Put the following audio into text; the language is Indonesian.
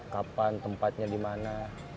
kapan tempatnya di mana